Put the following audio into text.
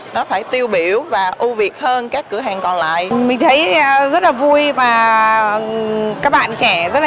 nó phải tiêu biểu và ưu việt hơn các cửa hàng còn lại mình thấy rất là vui và các bạn trẻ rất là